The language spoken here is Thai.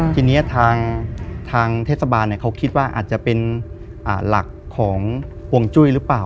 ทีนี้ทางเทศบาลเขาคิดว่าอาจจะเป็นหลักของห่วงจุ้ยหรือเปล่า